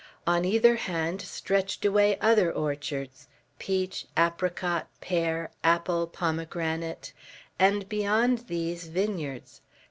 On either hand stretched away other orchards, peach, apricot, pear, apple pomegranate; and beyond these, vineyards.